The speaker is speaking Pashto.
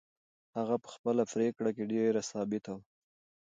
هغه په خپله پرېکړه کې ډېره ثابته وه.